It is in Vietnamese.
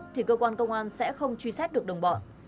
thì cơ quan công an sẽ không truy xét được đồng bọn